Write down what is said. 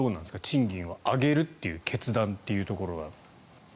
賃金を上げるという決断というところは。